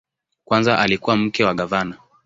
Kwanza alikuwa mke wa gavana.